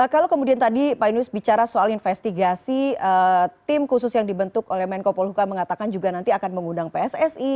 kalau kemudian tadi pak yunus bicara soal investigasi tim khusus yang dibentuk oleh menko polhuka mengatakan juga nanti akan mengundang pssi